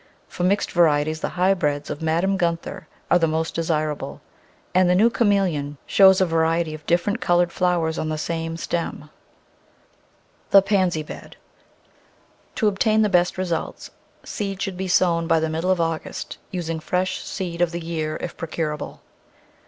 For mixed varieties the hybrids of Madame Gunther are the most desirable, and the new Chameleon shows a variety of different coloured flowers on the same stem. Digitized by Google in The Flower Garden [Chapter The Pansy Bed TO obtain the best results seed should be sown by the middle of August, using fresh seed of the year if procurable.